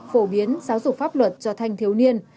phổ biến giáo dục pháp luật cho thanh thiếu niên